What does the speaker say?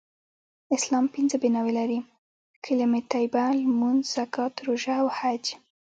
اسلام پنځه بناوې لری : کلمه طیبه ، لمونځ ، زکات ، روژه او حج